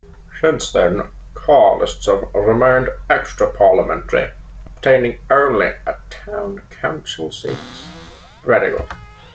Since then, Carlists have remained extra-parliamentary, obtaining only town council seats.